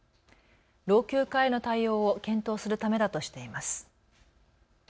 老朽化への対応を検討するためだとしています。